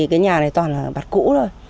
cái nhà này toàn là bạt cũ thôi